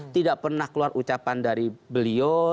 tidak pernah keluar ucapan dari beliau